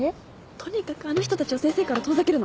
とにかくあの人たちを先生から遠ざけるの。